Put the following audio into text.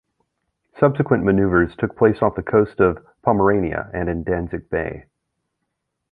Subsequent maneuvers took place off the coast of Pomerania and in Danzig Bay.